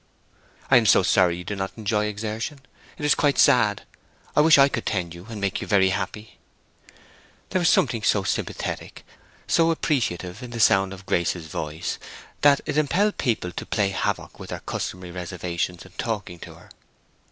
"I am so sorry you do not enjoy exertion—it is quite sad! I wish I could tend you and make you very happy." There was something so sympathetic, so appreciative, in the sound of Grace's voice, that it impelled people to play havoc with their customary reservations in talking to her.